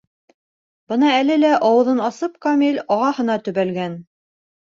Бына әле лә ауыҙын асып Камил ағаһына төбәлгән.